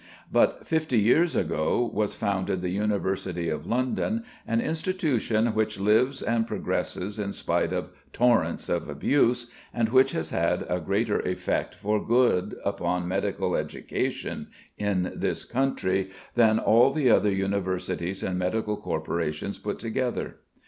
But fifty years ago was founded the University of London, an institution which lives and progresses in spite of torrents of abuse, and which has had a greater effect for good upon medical education in this country than all the other universities and medical corporations put together.